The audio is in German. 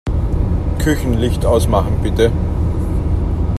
Küchenlicht ausmachen, bitte.